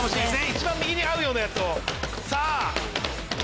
一番右に合うようなやつを。